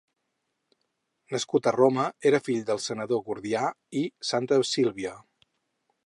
Nascut a Roma, era fill del senador Gordià i de Santa Sílvia.